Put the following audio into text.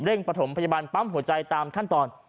ประถมพยาบาลปั๊มหัวใจตามขั้นตอน